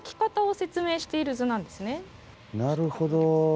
なるほど。